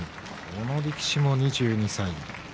この力士も２２歳。